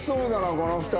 この２人。